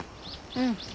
うん。